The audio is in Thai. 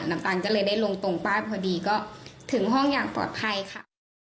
น้ำตาลก็เลยได้ลงตรงป้ายพอดีก็ถึงห้องอย่างปลอดภัยค่ะ